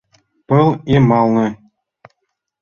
Пыл йымалне